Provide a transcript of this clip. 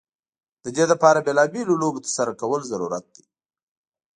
د دې لپاره بیلا بېلو لوبو ترسره کول ضرورت دی.